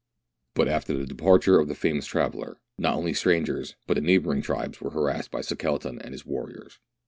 But after the departure of the famous traveller, not only strangers but the neighbouring tribes were harassed by Sekeleton and his warriors.